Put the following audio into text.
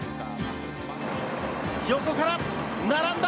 横から並んだ。